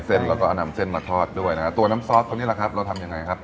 เส้นเราก็นำเส้นมาทอดด้วยนะฮะตัวน้ำซอสตรงนี้ละครับเราทำอย่างไรครับ